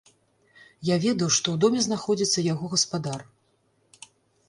Я ведаў, што ў доме знаходзіцца яго гаспадар.